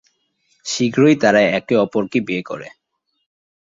শীঘ্রই তারা একে অপরকে বিয়ে করে।